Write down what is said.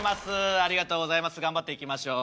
ありがとうございます頑張っていきましょう。